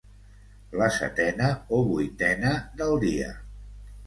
La setena o vuitena del dia.